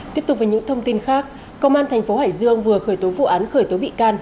tiếp tục với những thông tin khác công an thành phố hải dương vừa khởi tố vụ án khởi tố bị can